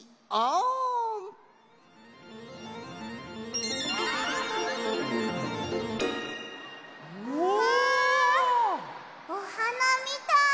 うわ！おはなみたい！